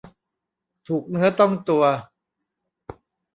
ถูกเนื้อต้องตัว